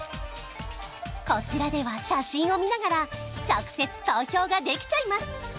こちらでは写真を見ながら直接投票ができちゃいます